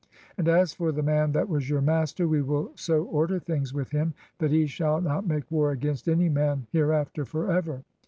And as for the man that was your master, we will so order things with him that he shall not make war against any man hereafter forever."